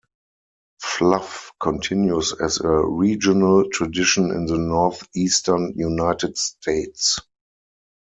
"Fluff" continues as a regional tradition in the Northeastern United States.